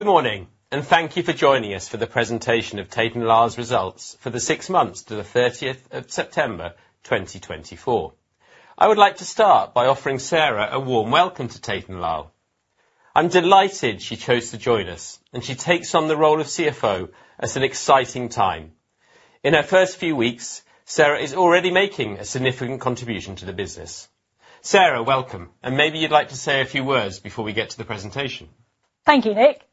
Good morning, and thank you for joining us for the presentation of Tate & Lyle's results for the six months to the 30 September 2024. I would like to start by offering Sarah a warm welcome to Tate & Lyle. I'm delighted she chose to join us, and she takes on the role of CFO at an exciting time. In her first few weeks, Sarah is already making a significant contribution to the business. Sarah, welcome, and maybe you'd like to say a few words before we get to the presentation. Thank you, Nick,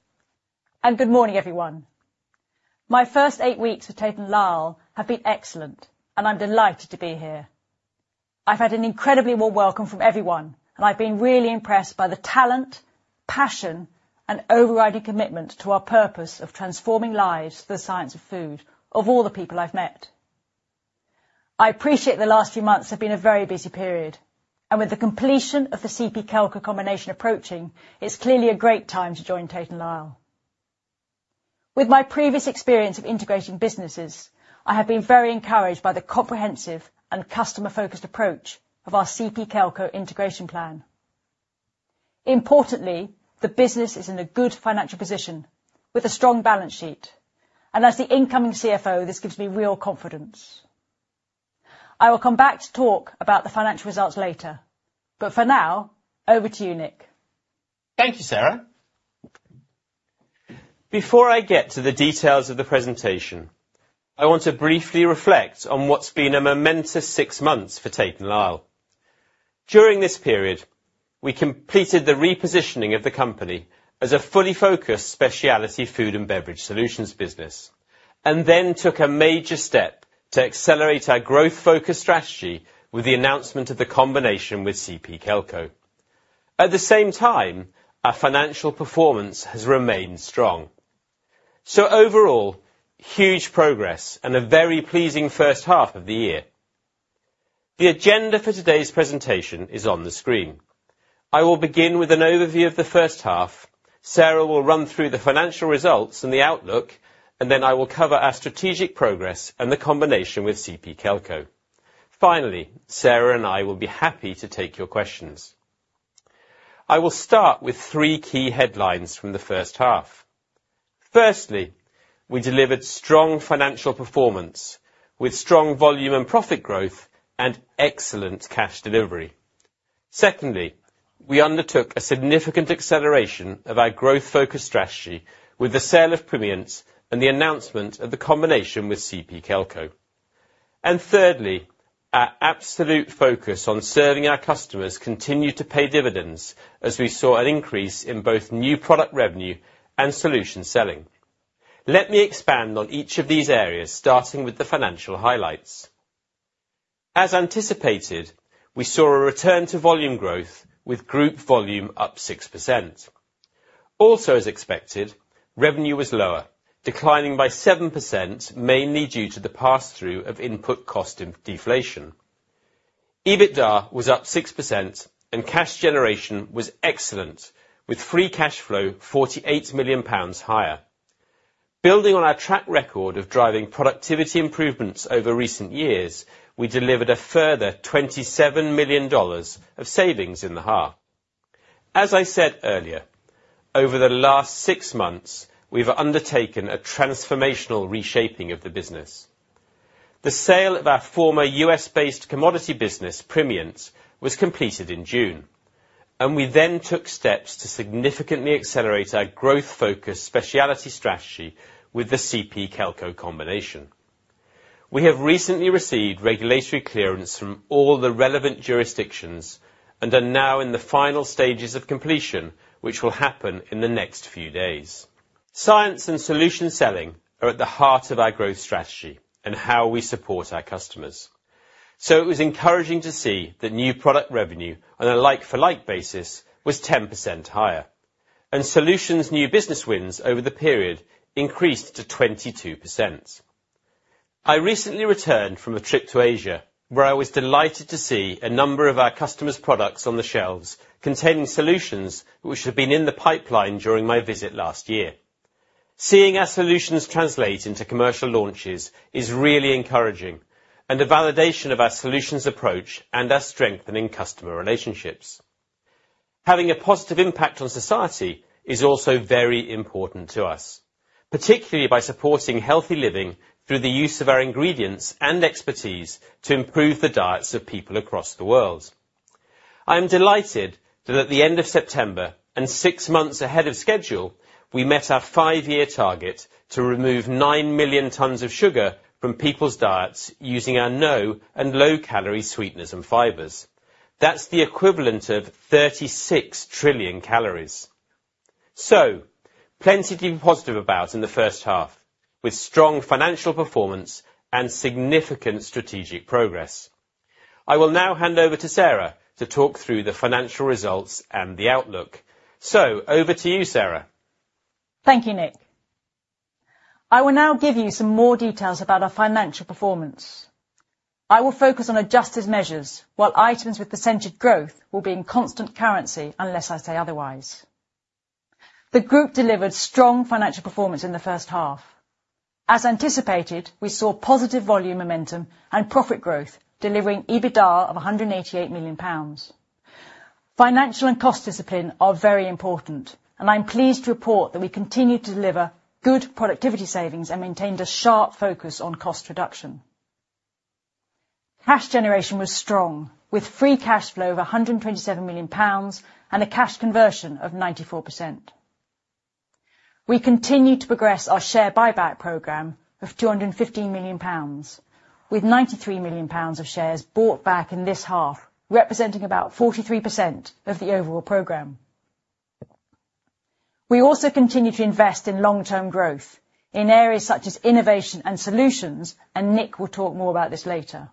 and good morning, everyone. My first eight weeks at Tate & Lyle have been excellent, and I'm delighted to be here. I've had an incredibly warm welcome from everyone, and I've been really impressed by the talent, passion, and overriding commitment to our purpose of transforming lives through the science of food of all the people I've met. I appreciate the last few months have been a very busy period, and with the completion of the CP Kelco combination approaching, it's clearly a great time to join Tate & Lyle. With my previous experience of integrating businesses, I have been very encouraged by the comprehensive and customer-focused approach of our CP Kelco integration plan. Importantly, the business is in a good financial position with a strong balance sheet, and as the incoming CFO, this gives me real confidence. I will come back to talk about the financial results later, but for now, over to you, Nick. Thank you, Sarah. Before I get to the details of the presentation, I want to briefly reflect on what's been a momentous six months for Tate & Lyle. During this period, we completed the repositioning of the company as a fully focused specialty food and beverage solutions business, and then took a major step to accelerate our growth-focused strategy with the announcement of the combination with CP Kelco. At the same time, our financial performance has remained strong. So overall, huge progress and a very pleasing H1 of the year. The agenda for today's presentation is on the screen. I will begin with an overview of the H1. Sarah will run through the financial results and the outlook, and then I will cover our strategic progress and the combination with CP Kelco. Finally, Sarah and I will be happy to take your questions. I will start with three key headlines from the H1. Firstly, we delivered strong financial performance with strong volume and profit growth and excellent cash delivery. Secondly, we undertook a significant acceleration of our growth-focused strategy with the sale of Primient and the announcement of the combination with CP Kelco. And thirdly, our absolute focus on serving our customers continued to pay dividends as we saw an increase in both new product revenue and solution selling. Let me expand on each of these areas, starting with the financial highlights. As anticipated, we saw a return to volume growth with group volume up 6%. Also, as expected, revenue was lower, declining by 7%, mainly due to the pass-through of input cost and deflation. EBITDA was up 6%, and cash generation was excellent, with free cash flow 48 million pounds higher. Building on our track record of driving productivity improvements over recent years, we delivered a further $27 million of savings in the H1. As I said earlier, over the last six months, we've undertaken a transformational reshaping of the business. The sale of our former US-based commodity business, Primient, was completed in June, and we then took steps to significantly accelerate our growth-focused specialty strategy with the CP Kelco combination. We have recently received regulatory clearance from all the relevant jurisdictions and are now in the final stages of completion, which will happen in the next few days. Science and solution selling are at the heart of our growth strategy and how we support our customers. So it was encouraging to see that new product revenue on a like-for-like basis was 10% higher, and solutions' new business wins over the period increased to 22%. I recently returned from a trip to Asia, where I was delighted to see a number of our customers' products on the shelves containing solutions which had been in the pipeline during my visit last year. Seeing our solutions translate into commercial launches is really encouraging, and the validation of our solutions approach and our strengthening customer relationships. Having a positive impact on society is also very important to us, particularly by supporting healthy living through the use of our ingredients and expertise to improve the diets of people across the world. I am delighted that at the end of September, and six months ahead of schedule, we met our five-year target to remove nine million tons of sugar from people's diets using our no and low-calorie sweeteners and fibers. That's the equivalent of 36 trillion calories. So plenty to be positive about in the H1, with strong financial performance and significant strategic progress. I will now hand over to Sarah to talk through the financial results and the outlook. So over to you, Sarah. Thank you, Nick. I will now give you some more details about our financial performance. I will focus on adjusted measures while items with percentage growth will be in constant currency unless I say otherwise. The group delivered strong financial performance in the H1. As anticipated, we saw positive volume momentum and profit growth, delivering EBITDA of 188 million pounds. Financial and cost discipline are very important, and I'm pleased to report that we continue to deliver good productivity savings and maintained a sharp focus on cost reduction. Cash generation was strong, with free cash flow of 127 million pounds and a cash conversion of 94%. We continue to progress our share buyback program of 215 million pounds, with 93 million pounds of shares bought back in this half, representing about 43% of the overall program. We also continue to invest in long-term growth in areas such as innovation and solutions, and Nick will talk more about this later.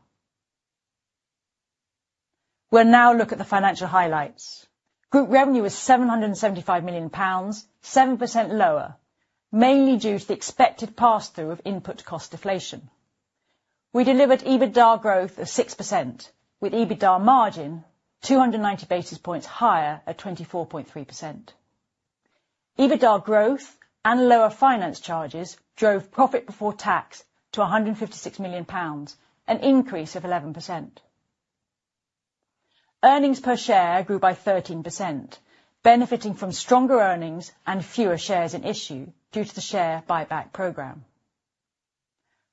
We'll now look at the financial highlights. Group revenue was 775 million pounds, 7% lower, mainly due to the expected pass-through of input cost deflation. We delivered EBITDA growth of 6%, with EBITDA margin 290 basis points higher at 24.3%. EBITDA growth and lower finance charges drove profit before tax to 156 million pounds, an increase of 11%. Earnings per share grew by 13%, benefiting from stronger earnings and fewer shares in issue due to the share buyback program.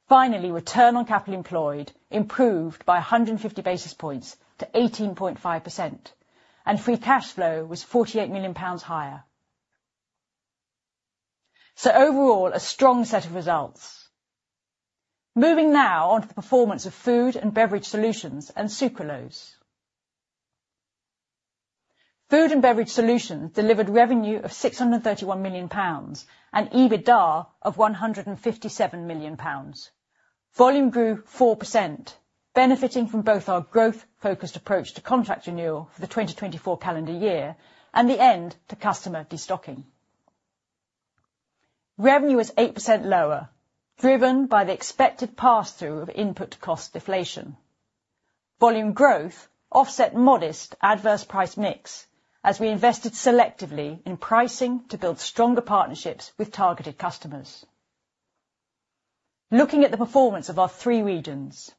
Finally, return on capital employed improved by 150 basis points to 18.5%, and free cash flow was 48 million pounds higher. So overall, a strong set of results. Moving now on to the performance of Food and Beverage Solutions and Sucralose. Food and Beverage Solutions delivered revenue of 631 million pounds and EBITDA of 157 million pounds. Volume grew 4%, benefiting from both our growth-focused approach to contract renewal for the 2024 calendar year and the end to customer destocking. Revenue was 8% lower, driven by the expected pass-through of input cost deflation. Volume growth offset modest adverse price mix as we invested selectively in pricing to build stronger partnerships with targeted customers. Looking at the performance of our three regions.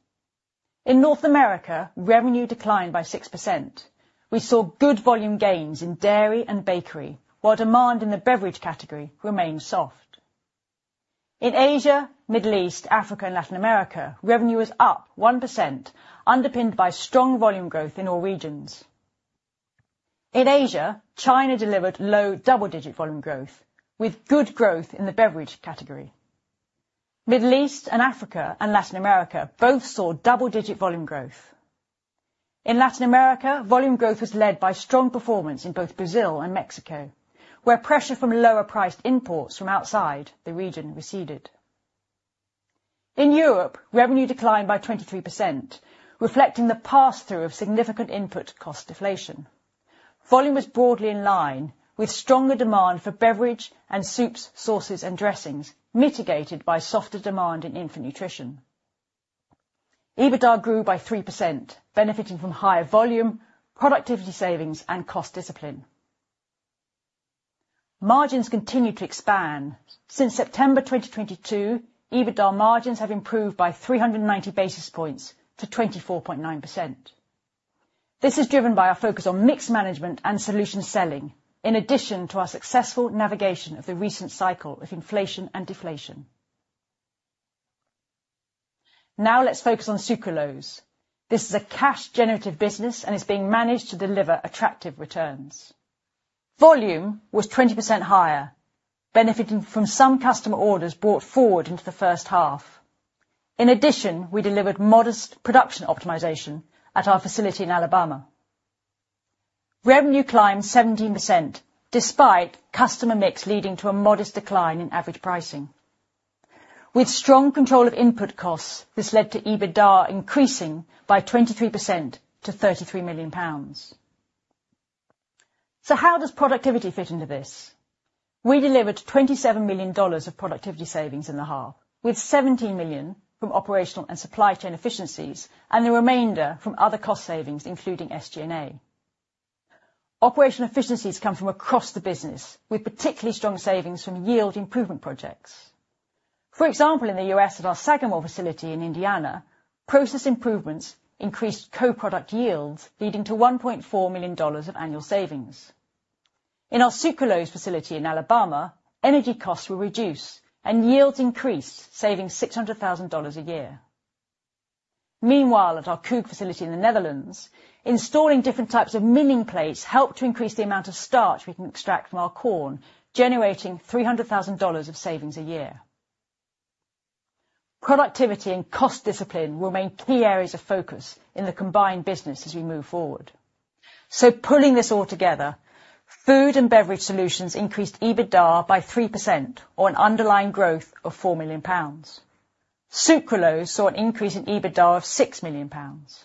In North America, revenue declined by 6%. We saw good volume gains in dairy and bakery, while demand in the beverage category remained soft. In Asia, Middle East, Africa, and Latin America, revenue was up 1%, underpinned by strong volume growth in all regions. In Asia, China delivered low double-digit volume growth, with good growth in the beverage category. Middle East and Africa and Latin America both saw double-digit volume growth. In Latin America, volume growth was led by strong performance in both Brazil and Mexico, where pressure from lower-priced imports from outside the region receded. In Europe, revenue declined by 23%, reflecting the pass-through of significant input cost deflation. Volume was broadly in line, with stronger demand for beverage and soups, sauces, and dressings mitigated by softer demand in infant nutrition. EBITDA grew by 3%, benefiting from higher volume, productivity savings, and cost discipline. Margins continued to expand. Since September 2022, EBITDA margins have improved by 390 basis points to 24.9%. This is driven by our focus on mixed management and solution selling, in addition to our successful navigation of the recent cycle of inflation and deflation. Now let's focus on Sucralose. This is a cash-generative business and is being managed to deliver attractive returns. Volume was 20% higher, benefiting from some customer orders brought forward into the H1. In addition, we delivered modest production optimization at our facility in Alabama. Revenue climbed 17% despite customer mix leading to a modest decline in average pricing. With strong control of input costs, this led to EBITDA increasing by 23% to 33 million pounds. So how does productivity fit into this? We delivered $27 million of productivity savings in the half, with $17 million from operational and supply chain efficiencies and the remainder from other cost savings, including SG&A. Operational efficiencies come from across the business, with particularly strong savings from yield improvement projects. For example, in the US at our Sagamore facility in Indiana, process improvements increased co-product yields, leading to $1.4 million of annual savings. In our Sucralose facility in Alabama, energy costs were reduced and yields increased, saving $600,000 a year. Meanwhile, at our Koog facility in the Netherlands, installing different types of milling plates helped to increase the amount of starch we can extract from our corn, generating $300,000 of savings a year. Productivity and cost discipline will remain key areas of focus in the combined business as we move forward. So pulling this all together, Food and Beverage Solutions increased EBITDA by 3%, or an underlying growth of 4 million pounds. Sucralose saw an increase in EBITDA of 6 million pounds.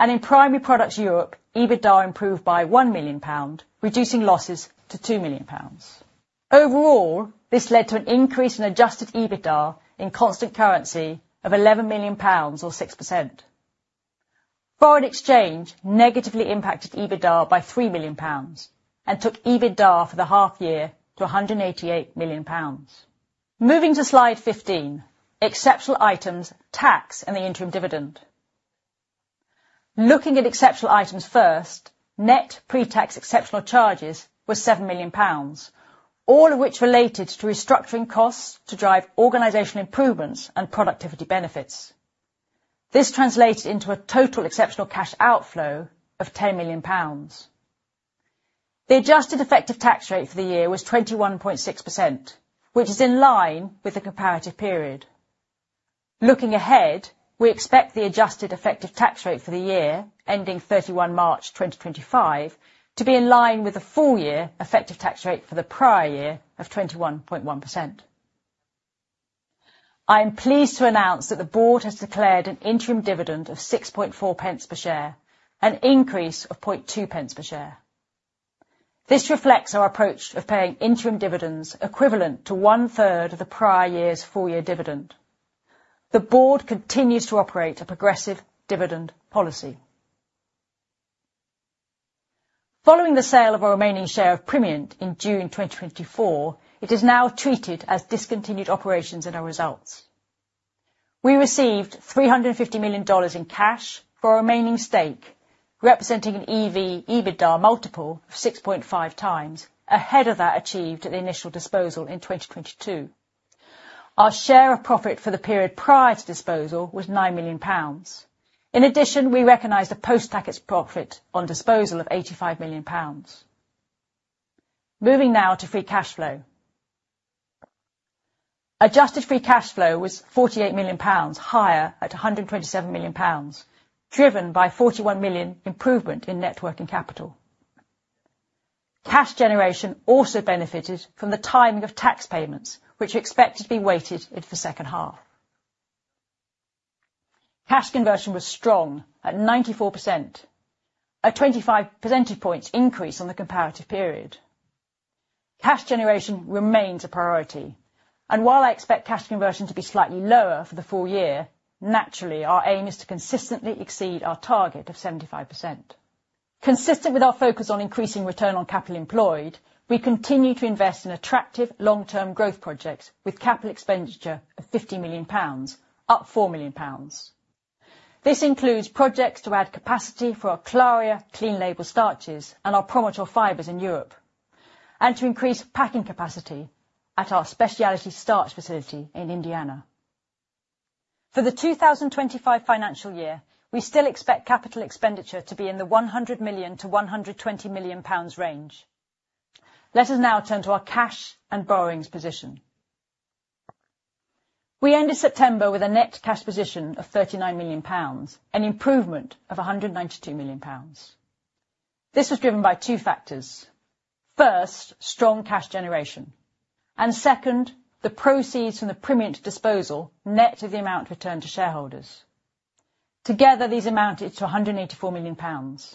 And in Primary Products Europe, EBITDA improved by 1 million pound, reducing losses to 2 million pounds. Overall, this led to an increase in adjusted EBITDA in constant currency of 11 million pounds, or 6%. Foreign exchange negatively impacted EBITDA by 3 million pounds and took EBITDA for the half year to 188 million pounds. Moving to slide 15, exceptional items, tax, and the interim dividend. Looking at exceptional items first, net pre-tax exceptional charges were 7 million pounds, all of which related to restructuring costs to drive organizational improvements and productivity benefits. This translated into a total exceptional cash outflow of 10 million pounds. The adjusted effective tax rate for the year was 21.6%, which is in line with the comparative period. Looking ahead, we expect the adjusted effective tax rate for the year ending 31 March 2025 to be in line with the full year effective tax rate for the prior year of 21.1%. I am pleased to announce that the board has declared an interim dividend of 0.064 per share, an increase of 0.002 per share. This reflects our approach of paying interim dividends equivalent to one-third of the prior year's full year dividend. The Board continues to operate a progressive dividend policy. Following the sale of our remaining share of Primient in June 2024, it is now treated as discontinued operations in our results. We received $350 million in cash for our remaining stake, representing an EV EBITDA multiple of 6.5 times ahead of that achieved at the initial disposal in 2022. Our share of profit for the period prior to disposal was 9 million pounds. In addition, we recognize the post-tax profit on disposal of 85 million pounds. Moving now to free cash flow. Adjusted free cash flow was 48 million pounds higher at 127 million pounds, driven by 41 million improvement in net working capital. Cash generation also benefited from the timing of tax payments, which are expected to be weighted in the H2. Cash conversion was strong at 94%, a 25 percentage points increase on the comparative period. Cash generation remains a priority, and while I expect cash conversion to be slightly lower for the full year, naturally, our aim is to consistently exceed our target of 75%. Consistent with our focus on increasing return on capital employed, we continue to invest in attractive long-term growth projects with capital expenditure of 50 million pounds, up 4 million pounds. This includes projects to add capacity for our CLARIA clean label starches and our PROMITOR fibers in Europe, and to increase packing capacity at our specialty starch facility in Indiana. For the 2025 financial year, we still expect capital expenditure to be in the 100 to 120 million range. Let us now turn to our cash and borrowings position. We ended September with a net cash position of 39 million pounds, an improvement of 192 million pounds. This was driven by two factors. First, strong cash generation, and second, the proceeds from the Primient disposal net of the amount returned to shareholders. Together, these amounted to 184 million pounds.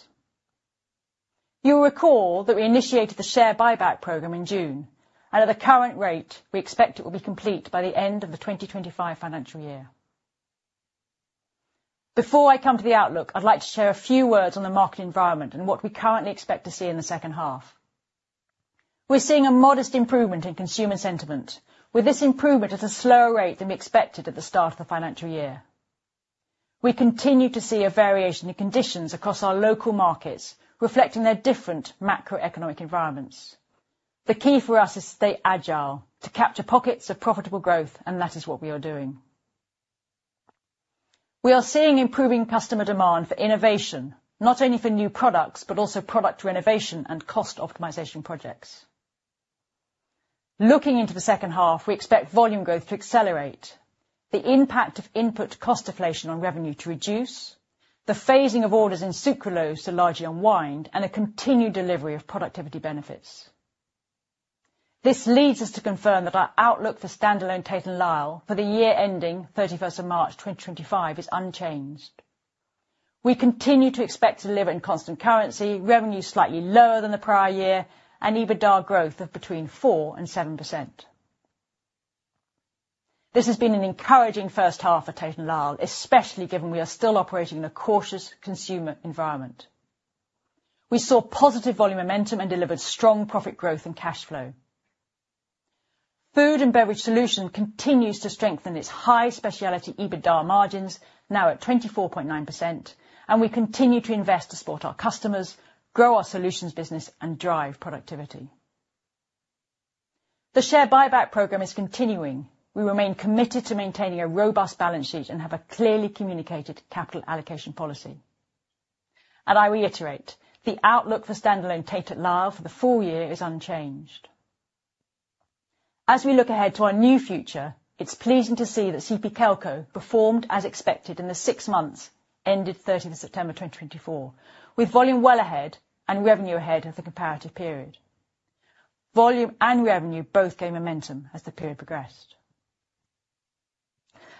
You'll recall that we initiated the share buyback program in June, and at the current rate, we expect it will be complete by the end of the 2025 financial year. Before I come to the outlook, I'd like to share a few words on the market environment and what we currently expect to see in the H2. We're seeing a modest improvement in consumer sentiment, with this improvement at a slower rate than we expected at the start of the financial year. We continue to see a variation in conditions across our local markets, reflecting their different macroeconomic environments. The key for us is to stay agile, to capture pockets of profitable growth, and that is what we are doing. We are seeing improving customer demand for innovation, not only for new products, but also product renovation and cost optimization projects. Looking into the H2, we expect volume growth to accelerate, the impact of input cost deflation on revenue to reduce, the phasing of orders in Sucralose to largely unwind, and a continued delivery of productivity benefits. This leads us to confirm that our outlook for standalone Tate & Lyle for the year ending 31 March 2025 is unchanged. We continue to expect to deliver in constant currency, revenues slightly lower than the prior year, and EBITDA growth of between 4% and 7%. This has been an encouraging H1 for Tate & Lyle, especially given we are still operating in a cautious consumer environment. We saw positive volume momentum and delivered strong profit growth in cash flow. Food and beverage solutions continue to strengthen its high specialty EBITDA margins, now at 24.9%, and we continue to invest to support our customers, grow our solutions business, and drive productivity. The share buyback program is continuing. We remain committed to maintaining a robust balance sheet and have a clearly communicated capital allocation policy. And I reiterate, the outlook for standalone Tate & Lyle for the full year is unchanged. As we look ahead to our new future, it's pleasing to see that CP Kelco performed as expected in the six months ended 30 September 2024, with volume well ahead and revenue ahead of the comparative period. Volume and revenue both gained momentum as the period progressed.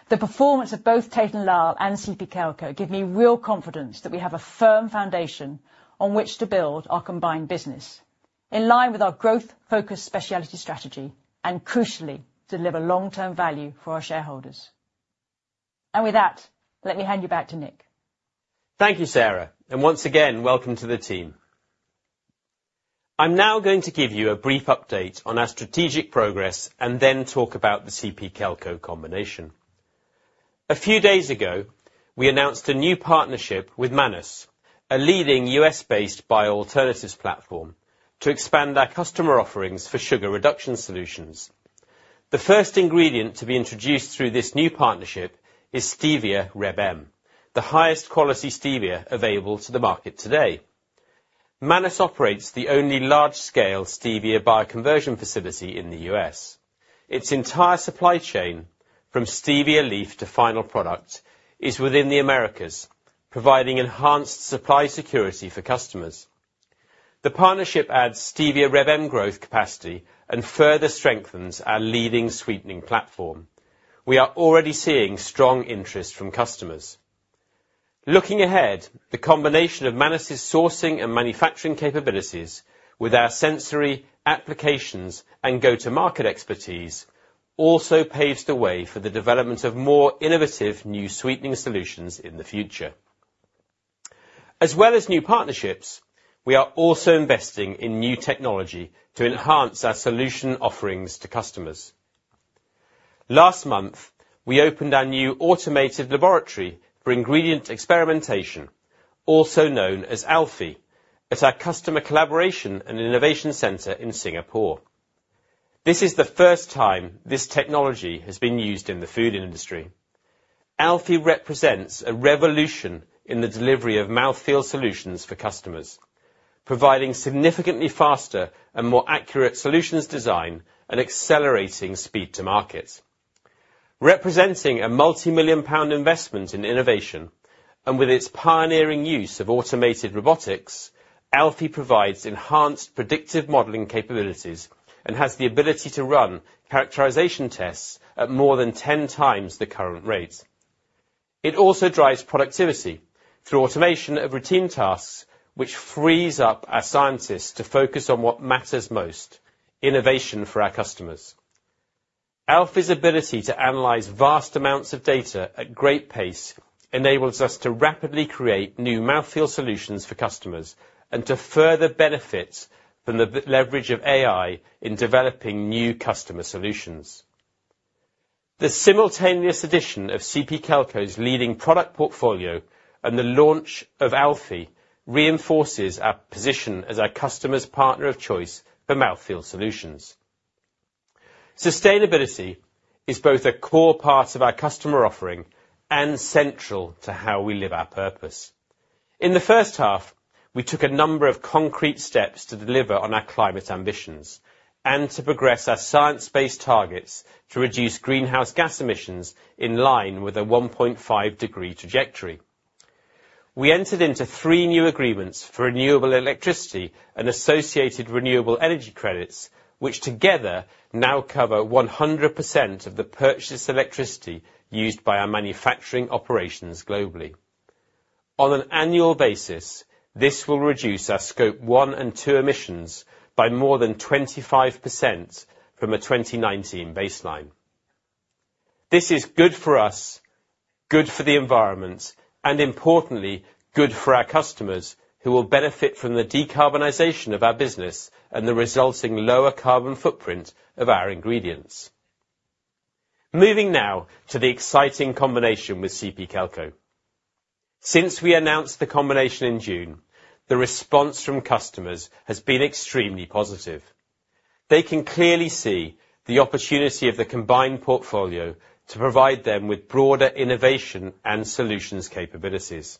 The performance of both Tate & Lyle and CP Kelco gives me real confidence that we have a firm foundation on which to build our combined business in line with our growth-focused specialty strategy and, crucially, deliver long-term value for our shareholders, and with that, let me hand you back to Nick. Thank you, Sarah, and once again, welcome to the team. I'm now going to give you a brief update on our strategic progress and then talk about the CP Kelco combination. A few days ago, we announced a new partnership with Manus, a leading US-based bioalternatives platform, to expand our customer offerings for sugar reduction solutions. The first ingredient to be introduced through this new partnership is stevia Reb M, the highest quality stevia available to the market today. Manus operates the only large-scale stevia bioconversion facility in the US. Its entire supply chain, from stevia leaf to final product, is within the Americas, providing enhanced supply security for customers. The partnership adds stevia Reb M growth capacity and further strengthens our leading sweetening platform. We are already seeing strong interest from customers. Looking ahead, the combination of Manus' sourcing and manufacturing capabilities with our sensory applications and go-to-market expertise also paves the way for the development of more innovative new sweetening solutions in the future. As well as new partnerships, we are also investing in new technology to enhance our solution offerings to customers. Last month, we opened our new Automated Laboratory for Ingredient Experimentation, also known as ALFIE, at our Customer Collaboration and Innovation Center in Singapore. This is the first time this technology has been used in the food industry. ALFIE represents a revolution in the delivery of mouthfeel solutions for customers, providing significantly faster and more accurate solutions design and accelerating speed to market. Representing a multimillion-pound investment in innovation and with its pioneering use of automated robotics, ALFIE provides enhanced predictive modeling capabilities and has the ability to run characterization tests at more than 10 times the current rate. It also drives productivity through automation of routine tasks, which frees up our scientists to focus on what matters most: innovation for our customers. ALFIE's ability to analyze vast amounts of data at great pace enables us to rapidly create new mouthfeel solutions for customers and to further benefit from the leverage of AI in developing new customer solutions. The simultaneous addition of CP Kelco's leading product portfolio and the launch of ALFIE reinforces our position as our customer's partner of choice for mouthfeel solutions. Sustainability is both a core part of our customer offering and central to how we live our purpose. In the H1, we took a number of concrete steps to deliver on our climate ambitions and to progress our science-based targets to reduce greenhouse gas emissions in line with a 1.5-degree trajectory. We entered into three new agreements for renewable electricity and associated renewable energy credits, which together now cover 100% of the purchased electricity used by our manufacturing operations globally. On an annual basis, this will reduce our Scope 1 and 2 emissions by more than 25% from a 2019 baseline. This is good for us, good for the environment, and importantly, good for our customers who will benefit from the decarbonization of our business and the resulting lower carbon footprint of our ingredients. Moving now to the exciting combination with CP Kelco. Since we announced the combination in June, the response from customers has been extremely positive. They can clearly see the opportunity of the combined portfolio to provide them with broader innovation and solutions capabilities.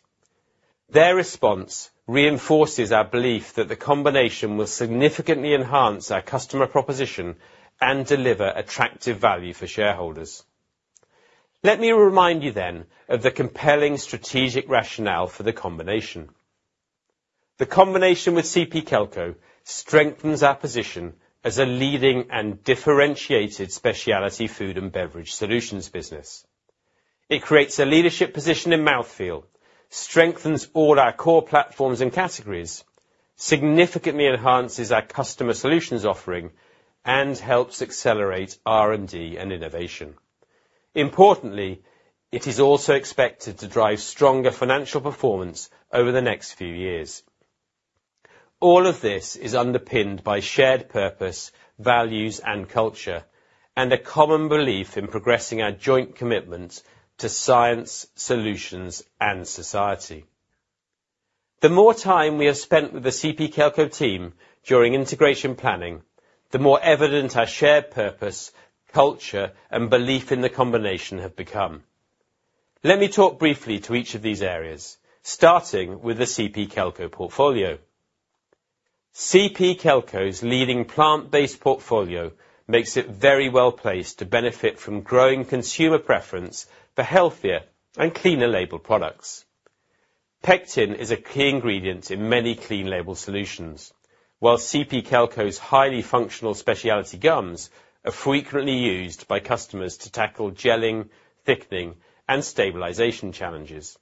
Their response reinforces our belief that the combination will significantly enhance our customer proposition and deliver attractive value for shareholders. Let me remind you then of the compelling strategic rationale for the combination. The combination with CP Kelco strengthens our position as a leading and differentiated specialty food and beverage solutions business. It creates a leadership position in mouthfeel, strengthens all our core platforms and categories, significantly enhances our customer solutions offering, and helps accelerate R&D and innovation. Importantly, it is also expected to drive stronger financial performance over the next few years. All of this is underpinned by shared purpose, values, and culture, and a common belief in progressing our joint commitments to science, solutions, and society. The more time we have spent with the CP Kelco team during integration planning, the more evident our shared purpose, culture, and belief in the combination have become. Let me talk briefly to each of these areas, starting with the CP Kelco portfolio. CP Kelco's leading plant-based portfolio makes it very well placed to benefit from growing consumer preference for healthier and clean-label products. Pectin is a key ingredient in many clean label solutions, while CP Kelco's highly functional specialty gums are frequently used by customers to tackle gelling, thickening, and stabilization challenges.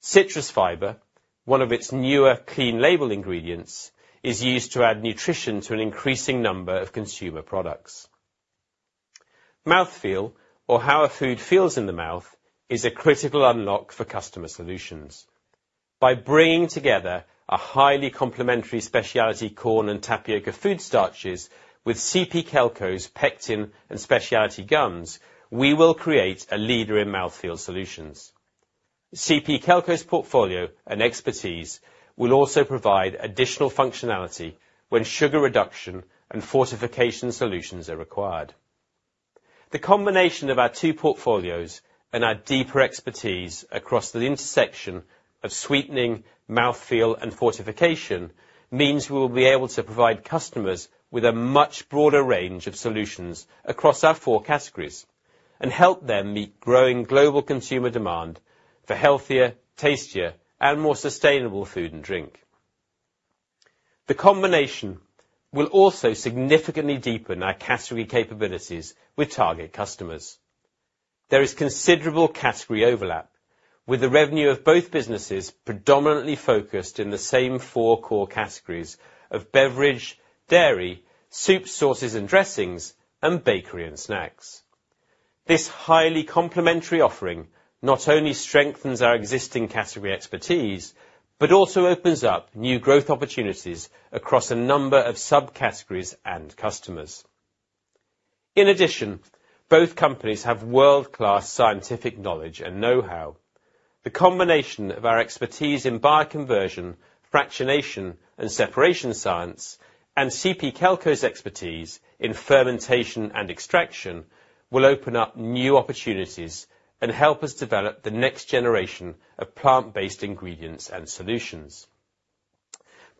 Citrus fiber, one of its newer clean label ingredients, is used to add nutrition to an increasing number of consumer products. Mouthfeel, or how a food feels in the mouth, is a critical unlock for customer solutions. By bringing together a highly complementary specialty corn and tapioca food starches with CP Kelco's pectin and specialty gums, we will create a leader in mouthfeel solutions. CP Kelco's portfolio and expertise will also provide additional functionality when sugar reduction and fortification solutions are required. The combination of our two portfolios and our deeper expertise across the intersection of sweetening, mouthfeel, and fortification means we will be able to provide customers with a much broader range of solutions across our four categories and help them meet growing global consumer demand for healthier, tastier, and more sustainable food and drink. The combination will also significantly deepen our category capabilities with target customers. There is considerable category overlap, with the revenue of both businesses predominantly focused in the same four core categories of beverage, dairy, soups, sauces and dressings, and bakery and snacks. This highly complementary offering not only strengthens our existing category expertise, but also opens up new growth opportunities across a number of subcategories and customers. In addition, both companies have world-class scientific knowledge and know-how. The combination of our expertise in bioconversion, fractionation, and separation science, and CP Kelco's expertise in fermentation and extraction will open up new opportunities and help us develop the next generation of plant-based ingredients and solutions.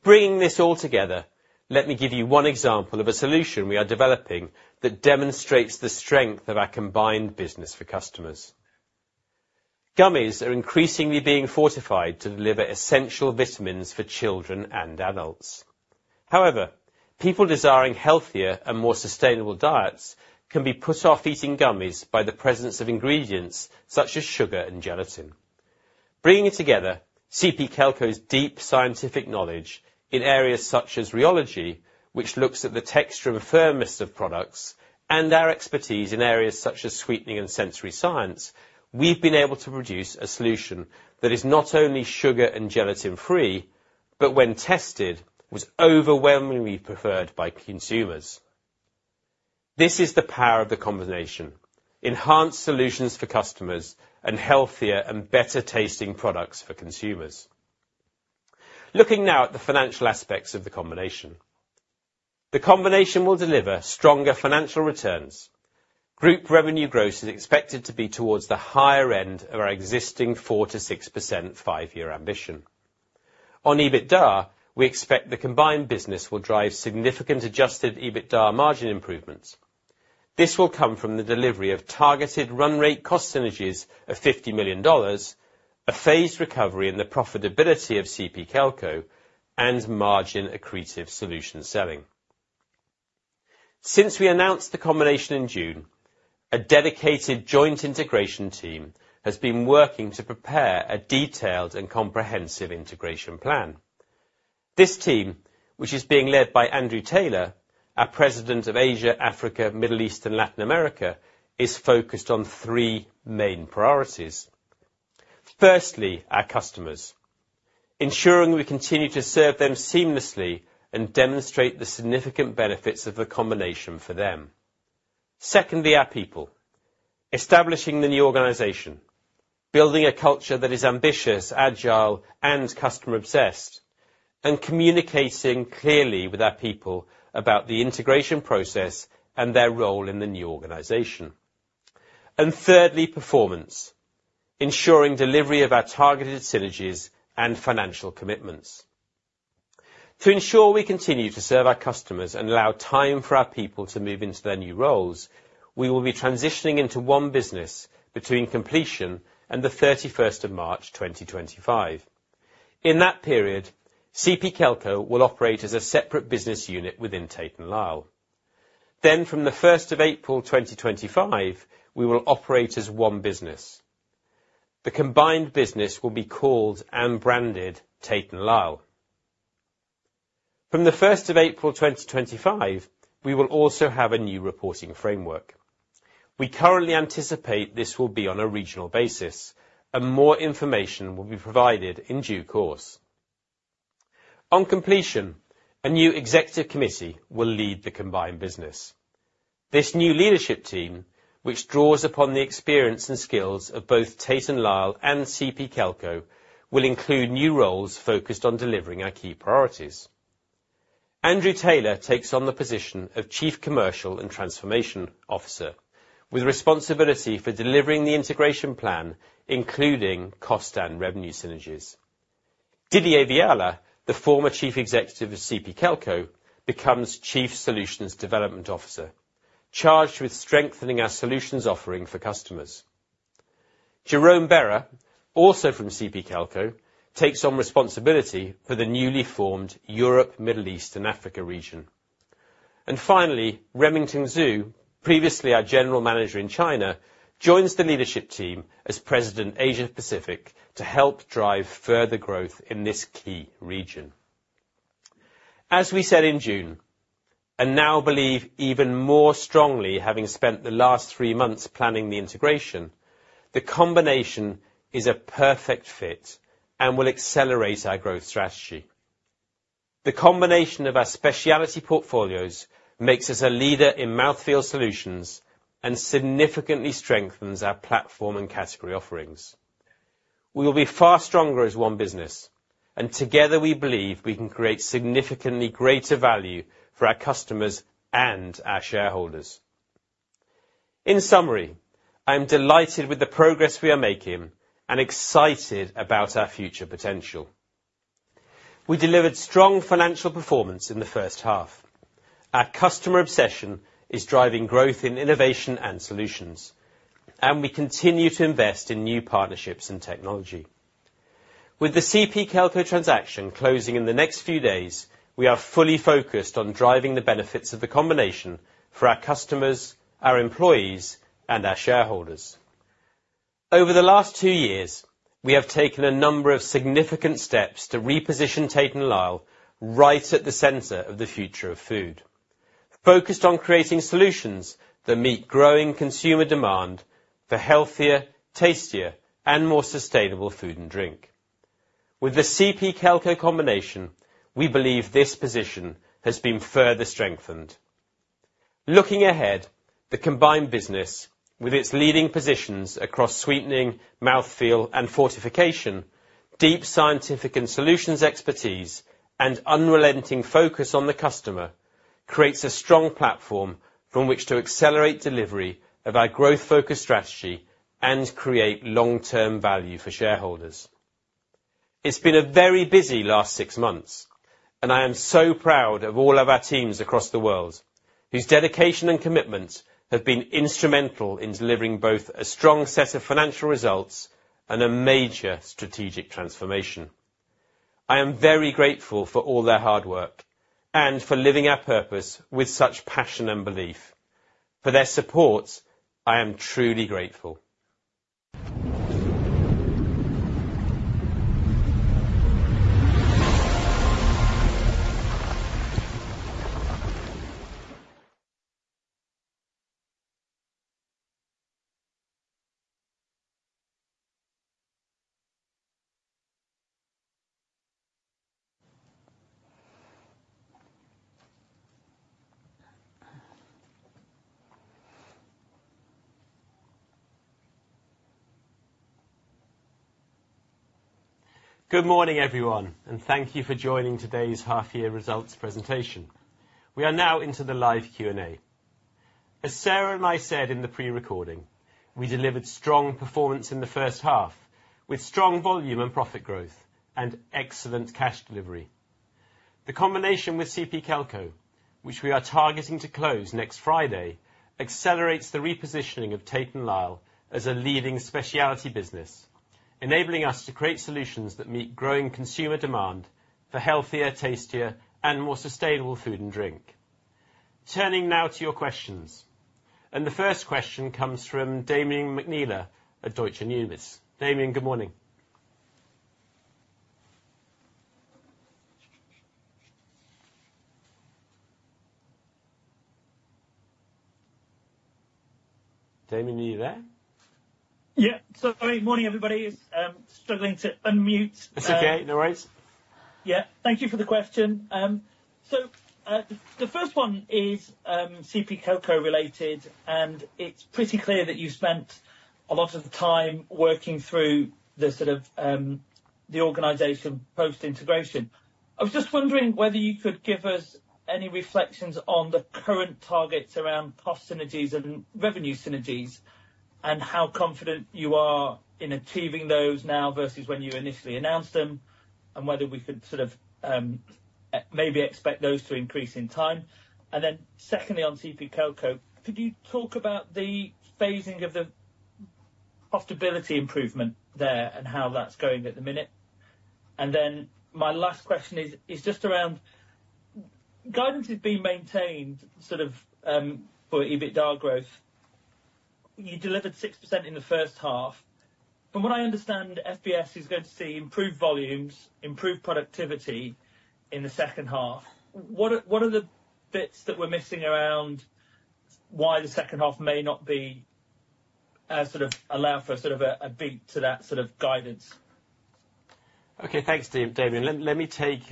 Bringing this all together, let me give you one example of a solution we are developing that demonstrates the strength of our combined business for customers. Gummies are increasingly being fortified to deliver essential vitamins for children and adults. However, people desiring healthier and more sustainable diets can be put off eating gummies by the presence of ingredients such as sugar and gelatin. Bringing together CP Kelco's deep scientific knowledge in areas such as rheology, which looks at the texture and firmness of products, and our expertise in areas such as sweetening and sensory science, we've been able to produce a solution that is not only sugar and gelatin-free, but when tested, was overwhelmingly preferred by consumers. This is the power of the combination: enhanced solutions for customers and healthier and better-tasting products for consumers. Looking now at the financial aspects of the combination, the combination will deliver stronger financial returns. Group revenue growth is expected to be towards the higher end of our existing 4% to 6% five-year ambition. On EBITDA, we expect the combined business will drive significant adjusted EBITDA margin improvements. This will come from the delivery of targeted run-rate cost synergies of $50 million, a phased recovery in the profitability of CP Kelco, and margin-accretive solution selling. Since we announced the combination in June, a dedicated joint integration team has been working to prepare a detailed and comprehensive integration plan. This team, which is being led by Andrew Taylor, our President of Asia, Africa, Middle East, and Latin America, is focused on three main priorities. Firstly, our customers, ensuring we continue to serve them seamlessly and demonstrate the significant benefits of the combination for them. Secondly, our people, establishing the new organization, building a culture that is ambitious, agile, and customer-obsessed, and communicating clearly with our people about the integration process and their role in the new organization. And thirdly, performance, ensuring delivery of our targeted synergies and financial commitments. To ensure we continue to serve our customers and allow time for our people to move into their new roles, we will be transitioning into one business between completion and the 31 March 2025. In that period, CP Kelco will operate as a separate business unit within Tate & Lyle. Then, from the 1 April 2025, we will operate as one business. The combined business will be called and branded Tate & Lyle. From the 1 April 2025, we will also have a new reporting framework. We currently anticipate this will be on a regional basis, and more information will be provided in due course. On completion, a new executive committee will lead the combined business. This new leadership team, which draws upon the experience and skills of both Tate & Lyle and CP Kelco, will include new roles focused on delivering our key priorities. Andrew Taylor takes on the position of Chief Commercial and Transformation Officer, with responsibility for delivering the integration plan, including cost and revenue synergies. Didier Viala, the former Chief Executive of CP Kelco, becomes Chief Solutions Development Officer, charged with strengthening our solutions offering for customers. Jerome Bera, also from CP Kelco, takes on responsibility for the newly formed Europe, Middle East, and Africa region. And finally, Remington Zhu, previously our General Manager in China, joins the leadership team as President Asia Pacific to help drive further growth in this key region. As we said in June, and now believe even more strongly having spent the last three months planning the integration, the combination is a perfect fit and will accelerate our growth strategy. The combination of our specialty portfolios makes us a leader in mouthfeel solutions and significantly strengthens our platform and category offerings. We will be far stronger as one business, and together we believe we can create significantly greater value for our customers and our shareholders. In summary, I am delighted with the progress we are making and excited about our future potential. We delivered strong financial performance in the H1. Our customer obsession is driving growth in innovation and solutions, and we continue to invest in new partnerships and technology. With the CP Kelco transaction closing in the next few days, we are fully focused on driving the benefits of the combination for our customers, our employees, and our shareholders. Over the last two years, we have taken a number of significant steps to reposition Tate & Lyle right at the center of the future of food, focused on creating solutions that meet growing consumer demand for healthier, tastier, and more sustainable food and drink. With the CP Kelco combination, we believe this position has been further strengthened. Looking ahead, the combined business, with its leading positions across sweetening, mouthfeel, and fortification, deep scientific and solutions expertise, and unrelenting focus on the customer, creates a strong platform from which to accelerate delivery of our growth-focused strategy and create long-term value for shareholders. It's been a very busy last six months, and I am so proud of all of our teams across the world whose dedication and commitment have been instrumental in delivering both a strong set of financial results and a major strategic transformation. I am very grateful for all their hard work and for living our purpose with such passion and belief. For their support, I am truly grateful. Good morning, everyone, and thank you for joining today's half-year results presentation. We are now into the live Q&A. As Sarah and I said in the pre-recording, we delivered strong performance in the H1 with strong volume and profit growth and excellent cash delivery. The combination with CP Kelco, which we are targeting to close next Friday, accelerates the repositioning of Tate & Lyle as a leading specialty business, enabling us to create solutions that meet growing consumer demand for healthier, tastier, and more sustainable food and drink. Turning now to your questions, and the first question comes from Damian McNeela at Deutsche Numis. Damian, good morning. Damian, are you there? Yeah. Sorry, good morning, everybody. I'm struggling to unmute. It's okay. No worries. Yeah. Thank you for the question. So the first one is CP Kelco related, and it's pretty clear that you've spent a lot of time working through the sort of organization post-integration. I was just wondering whether you could give us any reflections on the current targets around cost synergies and revenue synergies and how confident you are in achieving those now versus when you initially announced them and whether we could sort of maybe expect those to increase in time. And then secondly, on CP Kelco, could you talk about the phasing of the profitability improvement there and how that's going at the minute? And then my last question is just around guidance is being maintained sort of for EBITDA growth. You delivered 6% in the H1. From what I understand, FBS is going to see improved volumes, improved productivity in the H2. What are the bits that we're missing around why the H2 may not be sort of allow for sort of a beat to that sort of guidance? Okay. Thanks, Damian. Let me take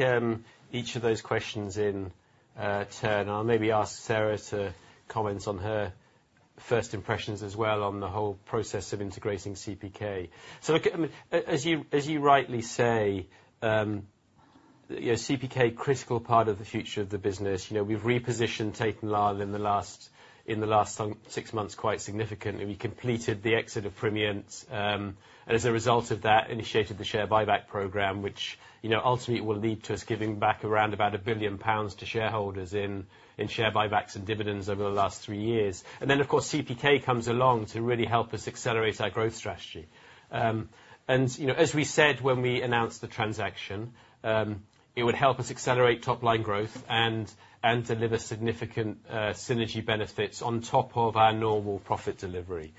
each of those questions in turn, and I'll maybe ask Sarah to comment on her first impressions as well on the whole process of integrating CPK. So as you rightly say, CPK, critical part of the future of the business. We've repositioned Tate & Lyle in the last six months quite significantly. We completed the exit of Primient and, as a result of that, initiated the share buyback program, which ultimately will lead to us giving back around about 1 billion pounds to shareholders in share buybacks and dividends over the last three years, and then, of course, CPK comes along to really help us accelerate our growth strategy, and as we said when we announced the transaction, it would help us accelerate top-line growth and deliver significant synergy benefits on top of our normal profit delivery.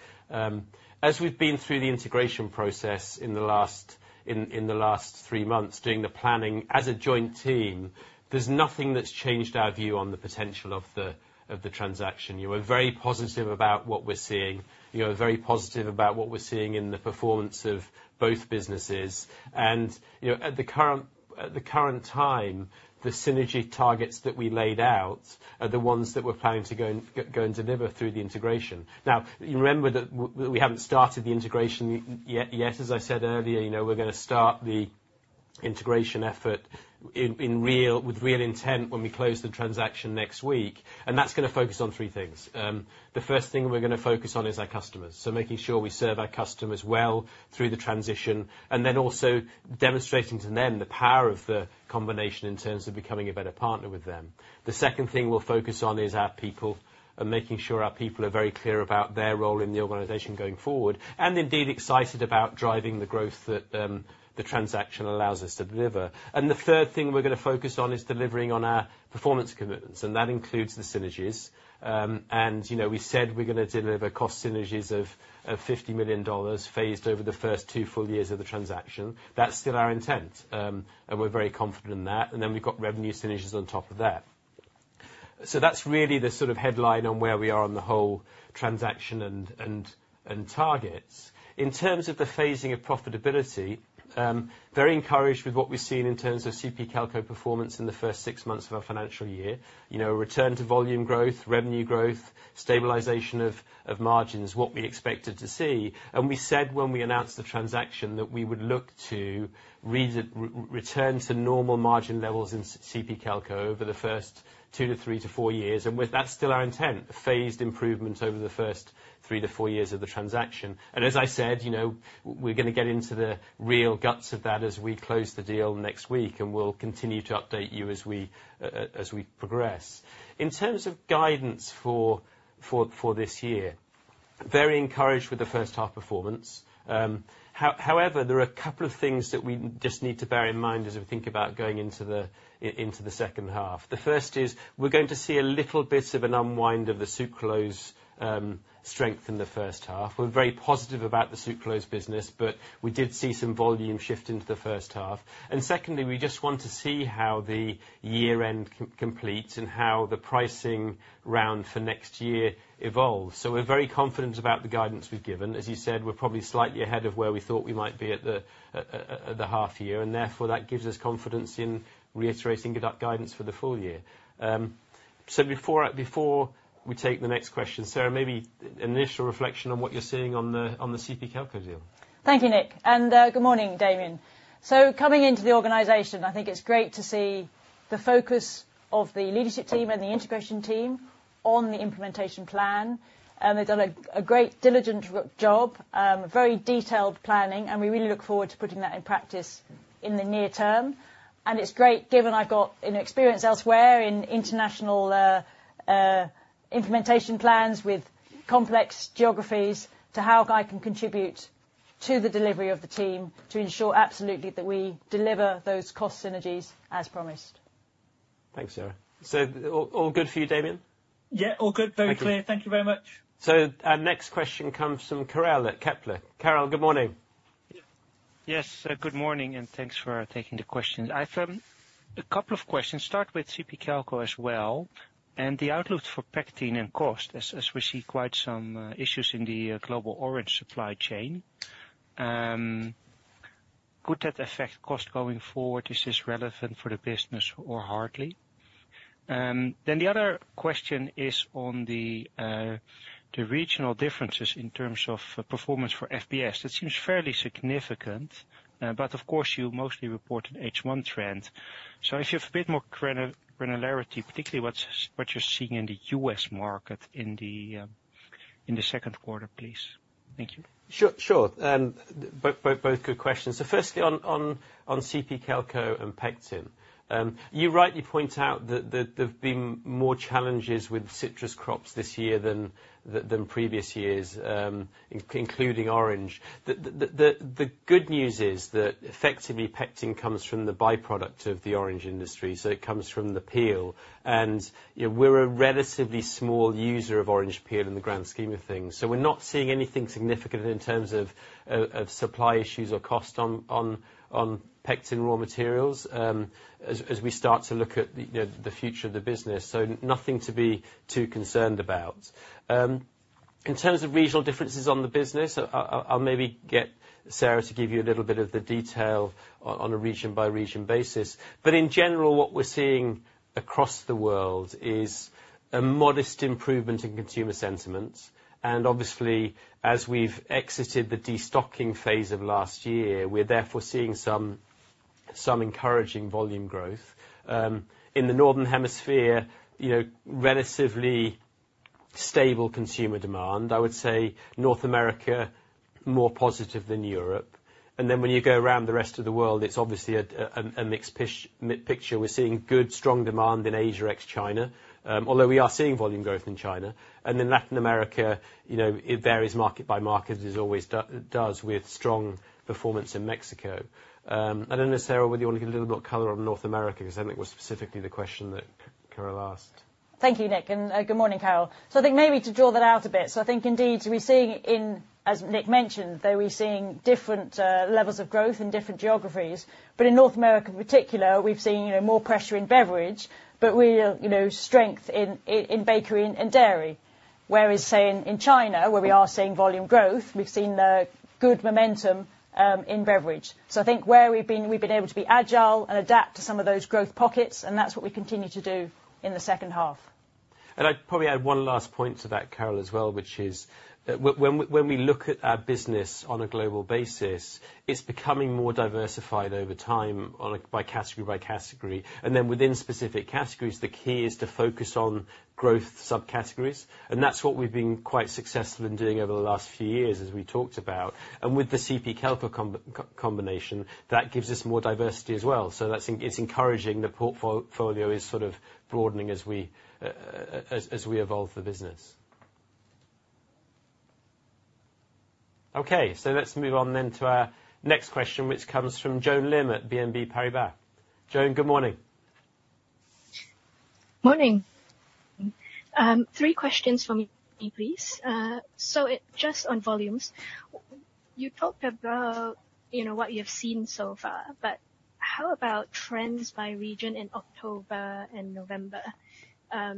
As we've been through the integration process in the last three months, doing the planning as a joint team, there's nothing that's changed our view on the potential of the transaction. You were very positive about what we're seeing. You were very positive about what we're seeing in the performance of both businesses. And at the current time, the synergy targets that we laid out are the ones that we're planning to go and deliver through the integration. Now, remember that we haven't started the integration yet. As I said earlier, we're going to start the integration effort with real intent when we close the transaction next week. And that's going to focus on three things. The first thing we're going to focus on is our customers, so making sure we serve our customers well through the transition, and then also demonstrating to them the power of the combination in terms of becoming a better partner with them. The second thing we'll focus on is our people and making sure our people are very clear about their role in the organization going forward and, indeed, excited about driving the growth that the transaction allows us to deliver. And the third thing we're going to focus on is delivering on our performance commitments, and that includes the synergies. And we said we're going to deliver cost synergies of $50 million phased over the first two full years of the transaction. That's still our intent, and we're very confident in that. And then we've got revenue synergies on top of that. That's really the sort of headline on where we are on the whole transaction and targets. In terms of the phasing of profitability, very encouraged with what we've seen in terms of CP Kelco performance in the first six months of our financial year, return to volume growth, revenue growth, stabilization of margins, what we expected to see. We said when we announced the transaction that we would look to return to normal margin levels in CP Kelco over the first two to three to four years. That's still our intent, phased improvements over the first three to four years of the transaction. As I said, we're going to get into the real guts of that as we close the deal next week, and we'll continue to update you as we progress. In terms of guidance for this year, very encouraged with the H1 performance. However, there are a couple of things that we just need to bear in mind as we think about going into the H2. The first is we're going to see a little bit of an unwind of the Sucralose strength in the H1. We're very positive about the Sucralose business, but we did see some volume shift into the H1. And secondly, we just want to see how the year-end completes and how the pricing round for next year evolves. So we're very confident about the guidance we've given. As you said, we're probably slightly ahead of where we thought we might be at the half year, and therefore that gives us confidence in reiterating guidance for the full year. So before we take the next question, Sarah, maybe an initial reflection on what you're seeing on the CP Kelco deal. Thank you, Nick. Good morning, Damian. Coming into the organization, I think it's great to see the focus of the leadership team and the integration team on the implementation plan. They've done a great diligent job, very detailed planning, and we really look forward to putting that in practice in the near term. It's great, given I've got experience elsewhere in international implementation plans with complex geographies, to how I can contribute to the delivery of the team to ensure absolutely that we deliver those cost synergies as promised. Thanks, Sarah. So all good for you, Damian? Yeah, all good. Very clear. Thank you very much. Our next question comes from Karel at Kepler. Karel, good morning. Yes. Good morning, and thanks for taking the question. I have a couple of questions. Start with CP Kelco as well. The outlook for pectin and cost, as we see quite some issues in the global orange supply chain. Could that affect cost going forward? Is this relevant for the business or hardly? Then the other question is on the regional differences in terms of performance for FBS. It seems fairly significant, but of course, you mostly report an H1 trend. So if you have a bit more granularity, particularly what you're seeing in the US market in the Q2, please. Thank you. Sure. Both good questions. So firstly, on CP Kelco and pectin, you rightly point out that there have been more challenges with citrus crops this year than previous years, including orange. The good news is that effectively pectin comes from the byproduct of the orange industry, so it comes from the peel. We're a relatively small user of orange peel in the grand scheme of things. We're not seeing anything significant in terms of supply issues or cost on pectin raw materials as we start to look at the future of the business. Nothing to be too concerned about. In terms of regional differences on the business, I'll maybe get Sarah to give you a little bit of the detail on a region-by-region basis. In general, what we're seeing across the world is a modest improvement in consumer sentiment. Obviously, as we've exited the destocking phase of last year, we're therefore seeing some encouraging volume growth. In the northern hemisphere, relatively stable consumer demand. I would say North America more positive than Europe. Then when you go around the rest of the world, it's obviously a mixed picture. We're seeing good, strong demand in Asia, ex-China, although we are seeing volume growth in China, and in Latin America, it varies market by market, as it always does, with strong performance in Mexico. I don't know, Sarah, whether you want to get a little more color on North America because I think it was specifically the question that Karel asked. Thank you, Nick, and good morning, Karel. I think maybe to draw that out a bit, so I think indeed we're seeing, as Nick mentioned, that we're seeing different levels of growth in different geographies. But in North America in particular, we've seen more pressure in beverage, but we see strength in bakery and dairy. Whereas, say, in China, where we are seeing volume growth, we've seen good momentum in beverage. So I think where we've been, we've been able to be agile and adapt to some of those growth pockets, and that's what we continue to do in the H2. And I'd probably add one last point to that, Karel, as well, which is when we look at our business on a global basis, it's becoming more diversified over time by category by category. And then within specific categories, the key is to focus on growth subcategories. And that's what we've been quite successful in doing over the last few years, as we talked about. And with the CP Kelco combination, that gives us more diversity as well. So it's encouraging the portfolio is sort of broadening as we evolve the business. Okay. So let's move on then to our next question, which comes from Joan Lim at BNP Paribas. Joan, good morning. Morning. Three questions for me, please. So just on volumes, you talked about what you've seen so far, but how about trends by region in October and November?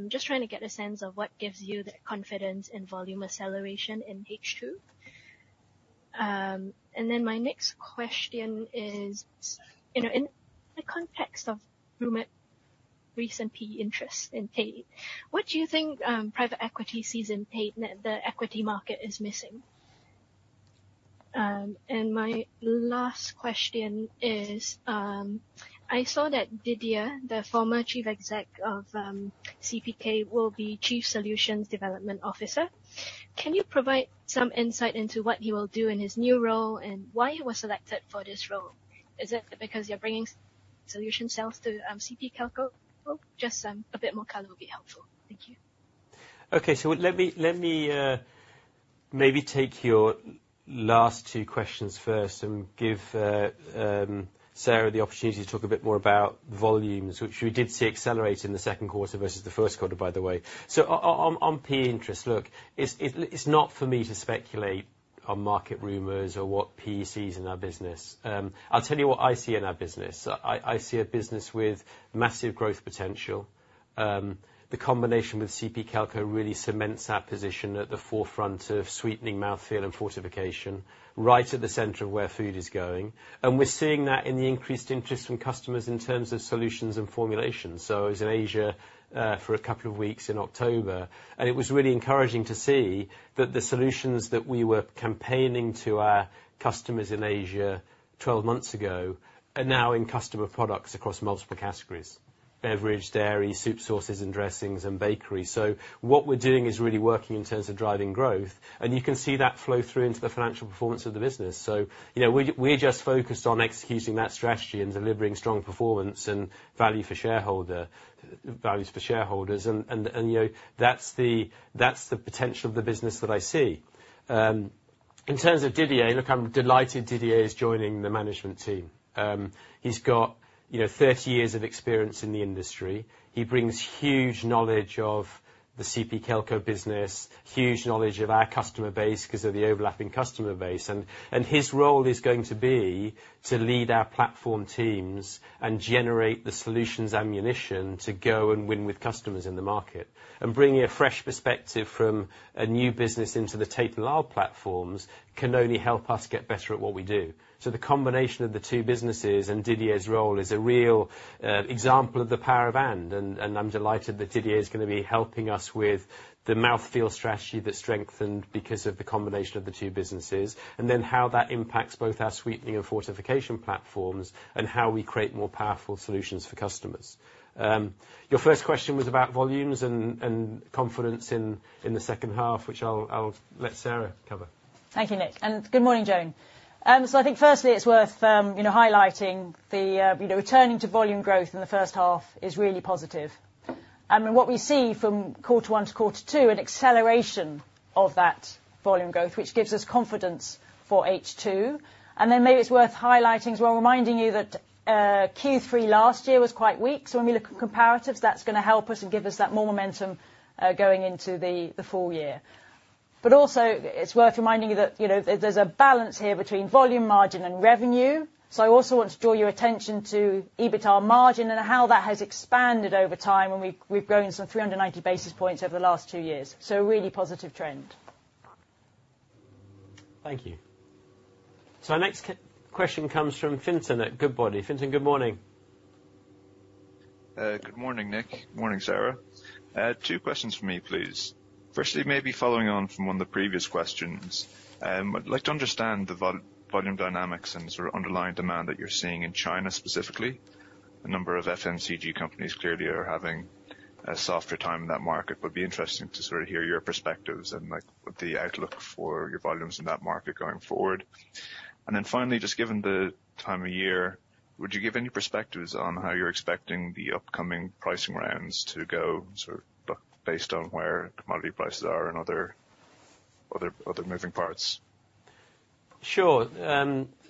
Just trying to get a sense of what gives you the confidence in volume acceleration in H2. And then my next question is, in the context of rumored recent PE interest in Tate, what do you think private equity sees in Tate that the equity market is missing? And my last question is, I saw that Didier, the former Chief Exec of CPK, will be Chief Solutions Development Officer. Can you provide some insight into what he will do in his new role and why he was selected for this role? Is it because you're bringing solution sales to CP Kelco? Just a bit more color would be helpful. Thank you. Okay. So let me maybe take your last two questions first and give Sarah the opportunity to talk a bit more about volumes, which we did see accelerate in the Q2 versus the Q1, by the way. So on PE interest, look, it's not for me to speculate on market rumors or what PE sees in our business. I'll tell you what I see in our business. I see a business with massive growth potential. The combination with CP Kelco really cements our position at the forefront of sweetening mouthfeel and fortification, right at the center of where food is going. And we're seeing that in the increased interest from customers in terms of solutions and formulations. So I was in Asia for a couple of weeks in October, and it was really encouraging to see that the solutions that we were campaigning to our customers in Asia 12 months ago are now in customer products across multiple categories: beverage, dairy, soup sauces and dressings, and bakery. What we're doing is really working in terms of driving growth, and you can see that flow through into the financial performance of the business. We're just focused on executing that strategy and delivering strong performance and value for shareholders. That's the potential of the business that I see. In terms of Didier, look, I'm delighted Didier is joining the management team. He's got 30 years of experience in the industry. He brings huge knowledge of the CP Kelco business, huge knowledge of our customer base because of the overlapping customer base. His role is going to be to lead our platform teams and generate the solutions ammunition to go and win with customers in the market. Bringing a fresh perspective from a new business into the Tate & Lyle platforms can only help us get better at what we do. The combination of the two businesses and Didier's role is a real example of the power of and. I'm delighted that Didier is going to be helping us with the mouthfeel strategy that's strengthened because of the combination of the two businesses, and then how that impacts both our sweetening and fortification platforms and how we create more powerful solutions for customers. Your first question was about volumes and confidence in the H2, which I'll let Sarah cover. Thank you, Nick. Good morning, Joan. So, I think firstly, it's worth highlighting the returning to volume growth in the H1 is really positive. And what we see from Q1 to Q2, an acceleration of that volume growth, which gives us confidence for H2. And then maybe it's worth highlighting as well, reminding you that Q3 last year was quite weak. So when we look at comparatives, that's going to help us and give us that more momentum going into the full year. But also, it's worth reminding you that there's a balance here between volume, margin, and revenue. So I also want to draw your attention to EBITDA margin and how that has expanded over time when we've grown some 390 basis points over the last two years. So a really positive trend. Thank you. So our next question comes from Fintan at Goodbody. Fintan, good morning. Good morning, Nick. Good morning, Sarah. Two questions for me, please. Firstly, maybe following on from one of the previous questions, I'd like to understand the volume dynamics and sort of underlying demand that you're seeing in China specifically. A number of FMCG companies clearly are having a softer time in that market, but it'd be interesting to sort of hear your perspectives and the outlook for your volumes in that market going forward. And then finally, just given the time of year, would you give any perspectives on how you're expecting the upcoming pricing rounds to go sort of based on where commodity prices are and other moving parts? Sure.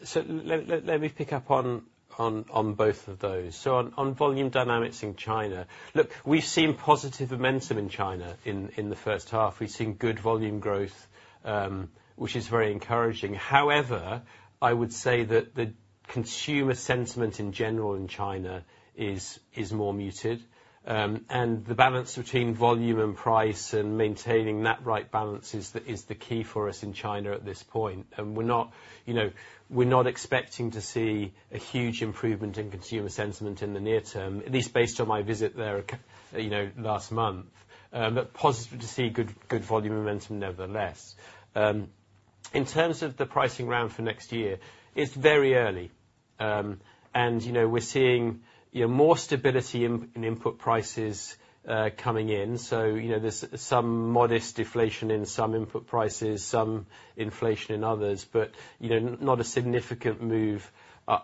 So let me pick up on both of those. So on volume dynamics in China, look, we've seen positive momentum in China in the H1. We've seen good volume growth, which is very encouraging. However, I would say that the consumer sentiment in general in China is more muted, and the balance between volume and price and maintaining that right balance is the key for us in China at this point, and we're not expecting to see a huge improvement in consumer sentiment in the near term, at least based on my visit there last month, but positive to see good volume momentum nevertheless. In terms of the pricing round for next year, it's very early, and we're seeing more stability in input prices coming in, so there's some modest deflation in some input prices, some inflation in others, but not a significant move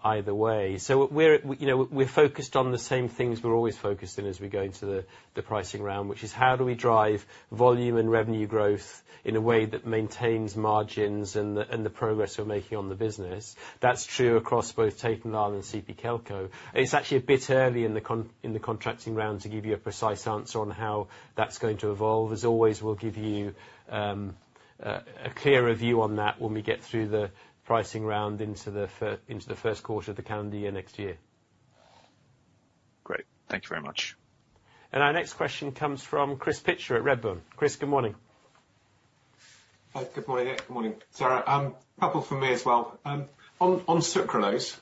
either way. So we're focused on the same things we're always focused on as we go into the pricing round, which is how do we drive volume and revenue growth in a way that maintains margins and the progress we're making on the business. That's true across both Tate & Lyle and CP Kelco. It's actually a bit early in the contracting round to give you a precise answer on how that's going to evolve. As always, we'll give you a clearer view on that when we get through the pricing round into the first Q1 of the calendar year next year. Great. Thank you very much. And our next question comes from Chris Pitcher at Redburn. Chris, good morning. Hi. Good morning, Nick. Good morning, Sarah. A couple for me as well. On Sucralose,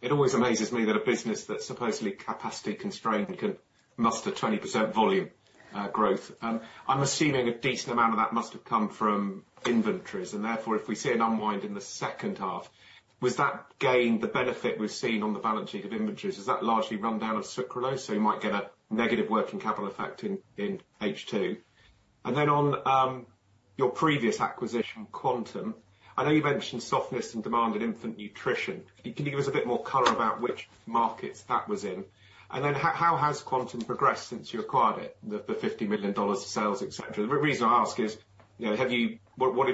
it always amazes me that a business that's supposedly capacity constrained can muster 20% volume growth. I'm assuming a decent amount of that must have come from inventories. And therefore, if we see an unwind in the H2, was that gain the benefit we've seen on the balance sheet of inventories? Has that largely run down of Sucralose? So you might get a negative working capital effect in H2. And then on your previous acquisition, Quantum, I know you mentioned softness and demand in infant nutrition. Can you give us a bit more color about which markets that was in? And then how has Quantum progressed since you acquired it, the $50 million sales, et cetera? The reason I ask is, what have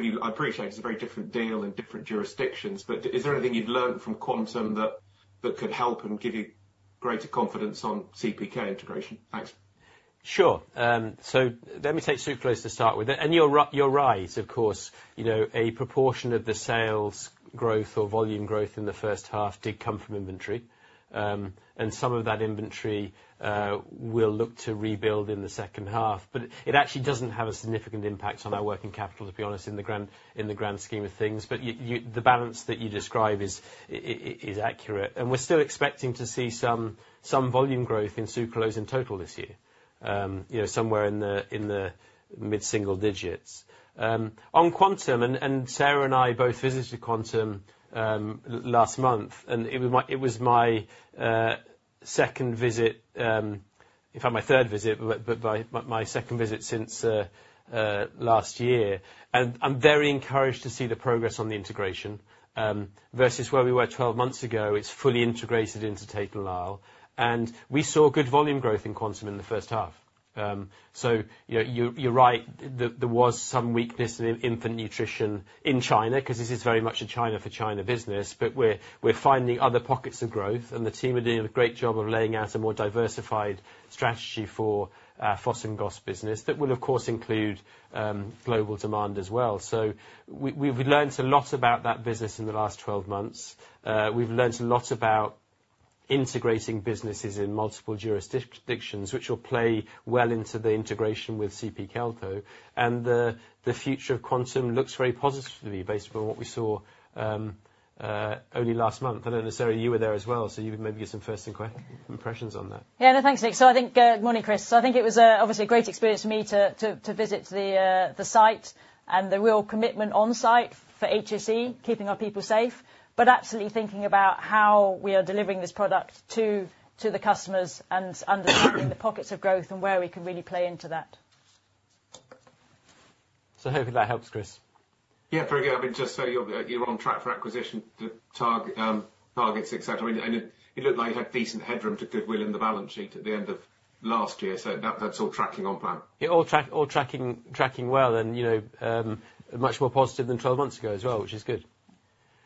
you appreciated is a very different deal in different jurisdictions, but is there anything you've learned from Quantum that could help and give you greater confidence on CPK integration? Thanks. Sure. So let me take Sucralose to start with. And you're right, of course. A proportion of the sales growth or volume growth in the H1 did come from inventory. And some of that inventory we'll look to rebuild in the H2, but it actually doesn't have a significant impact on our working capital, to be honest, in the grand scheme of things. But the balance that you describe is accurate. And we're still expecting to see some volume growth in Sucralose in total this year, somewhere in the mid-single digits. On Quantum, and Sarah and I both visited Quantum last month, and it was my second visit, in fact, my third visit, my second visit since last year. And I'm very encouraged to see the progress on the integration. Versus where we were 12 months ago, it's fully integrated into Tate & Lyle. And we saw good volume growth in Quantum in the H1. You're right, there was some weakness in infant nutrition in China because this is very much a China-for-China business, but we're finding other pockets of growth. And the team are doing a great job of laying out a more diversified strategy for foods and gums business that will, of course, include global demand as well. So we've learned a lot about that business in the last 12 months. We've learned a lot about integrating businesses in multiple jurisdictions, which will play well into the integration with CP Kelco. And the future of Quantum looks very positive based on what we saw early last month. I don't necessarily know you were there as well, so you maybe get some first-hand impressions on that. Yeah. No, thanks, Nick. So I think good morning, Chris. So I think it was obviously a great experience for me to visit the site and the real commitment on site for HSE, keeping our people safe, but absolutely thinking about how we are delivering this product to the customers and understanding the pockets of growth and where we can really play into that. So hopefully that helps, Chris? Yeah. Very good. I mean, just so you're on track for acquisition targets, etc. And it looked like you had decent headroom to goodwill in the balance sheet at the end of last year. So that's all tracking on plan. Yeah. All tracking well and much more positive than 12 months ago as well, which is good.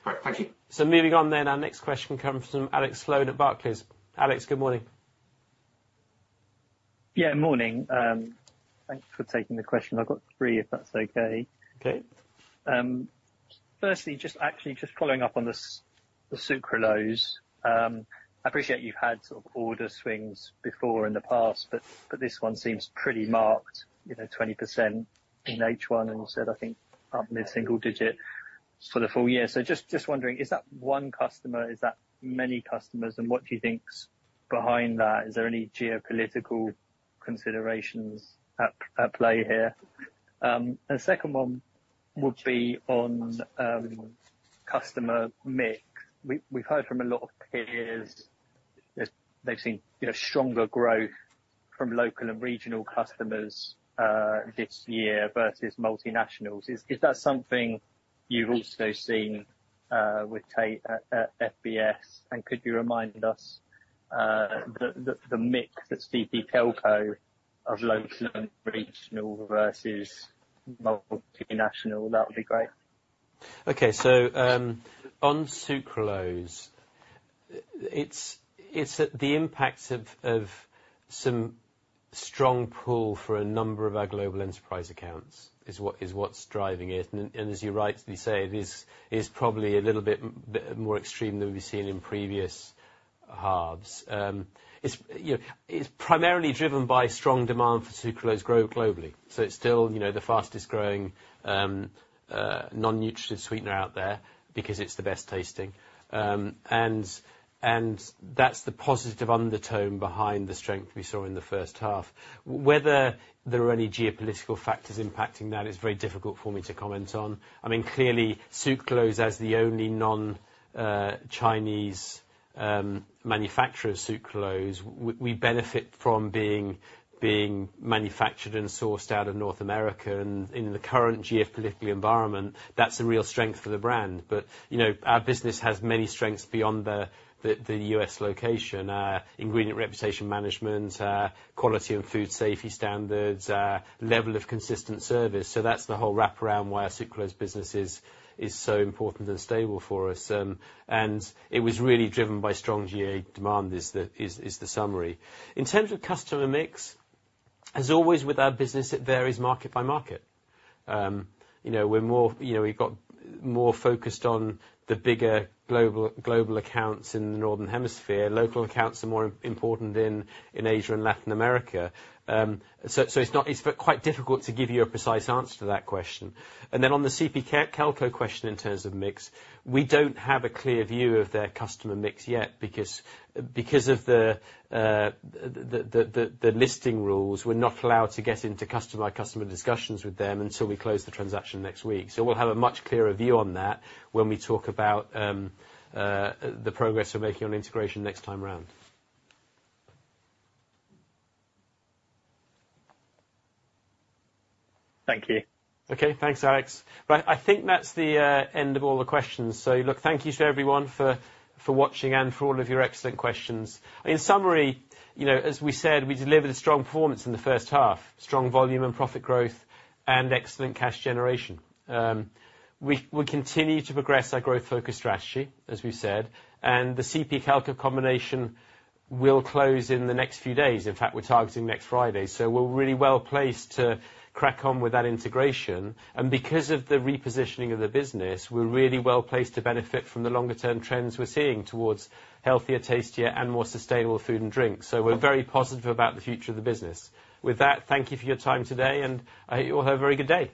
Great. Thank you. So moving on then, our next question comes from Alex Sloane at Barclays. Alex, good morning. Yeah. Morning. Thanks for taking the question. I've got three, if that's okay. Okay. Firstly, actually just following up on the Sucralose, I appreciate you've had sort of order swings before in the past, but this one seems pretty marked, 20% in H1, and you said, I think, up mid-single digit for the full year. So just wondering, is that one customer? Is that many customers? And what do you think's behind that? Is there any geopolitical considerations at play here? And the second one would be on customer mix. We've heard from a lot of peers they've seen stronger growth from local and regional customers this year versus multinationals. Is that something you've also seen with Tate at FBS? And could you remind us the mix that's CP Kelco of local and regional versus multinational? That would be great. Okay. So on Sucralose, it's the impact of some strong pull for a number of our global enterprise accounts is what's driving it. And as you rightly say, it is probably a little bit more extreme than we've seen in previous halves. It's primarily driven by strong demand for Sucralose growth globally. So it's still the fastest-growing non-nutritive sweetener out there because it's the best tasting. And that's the positive undertone behind the strength we saw in the H1. Whether there are any geopolitical factors impacting that is very difficult for me to comment on. I mean, clearly, Sucralose as the only non-Chinese manufacturer of Sucralose, we benefit from being manufactured and sourced out of North America. And in the current geopolitical environment, that's a real strength for the brand. But our business has many strengths beyond the US location: our ingredient reputation management, our quality and food safety standards, our level of consistent service. So that's the whole wraparound why our Sucralose business is so important and stable for us. It was really driven by strong GA demand. That's the summary. In terms of customer mix, as always with our business, it varies market by market. We're more focused on the bigger global accounts in the northern hemisphere. Local accounts are more important in Asia and Latin America. It's quite difficult to give you a precise answer to that question. On the CP Kelco question in terms of mix, we don't have a clear view of their customer mix yet because of the listing rules. We're not allowed to get into customer-by-customer discussions with them until we close the transaction next week. We'll have a much clearer view on that when we talk about the progress we're making on integration next time around. Thank you. Okay. Thanks, Alex. I think that's the end of all the questions. So look, thank you to everyone for watching and for all of your excellent questions. In summary, as we said, we delivered a strong performance in the H1: strong volume and profit growth and excellent cash generation. We continue to progress our growth-focused strategy, as we said, and the CP Kelco combination will close in the next few days. In fact, we're targeting next Friday, so we're really well placed to crack on with that integration, and because of the repositioning of the business, we're really well placed to benefit from the longer-term trends we're seeing towards healthier, tastier, and more sustainable food and drinks, so we're very positive about the future of the business. With that, thank you for your time today, and I hope you all have a very good day.